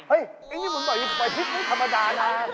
ไอ้นี่มึงปล่อยพริกไม่ธรรมดานะ